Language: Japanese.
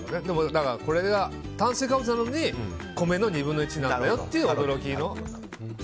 だから炭水化物なのに米の２分の１なんだよという驚きの。